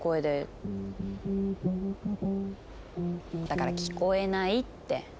だから聞こえないって。